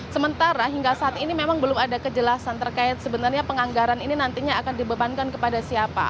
sementara hingga saat ini memang belum ada kejelasan terkait sebenarnya penganggaran ini nantinya akan dibebankan kepada siapa